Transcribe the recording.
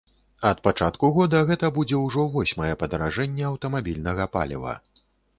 Ад пачатку года гэта будзе ўжо восьмае падаражэнне аўтамабільнага паліва.